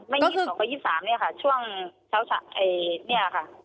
ไม่๒๒ก็๒๓เนี่ยค่ะช่วงเท่าไหร่เนี่ยค่ะ